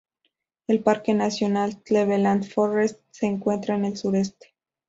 El parque nacional "Cleveland Forrest" se encuentra en el sureste.